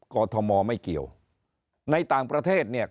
อทมไม่เกี่ยวในต่างประเทศเนี่ย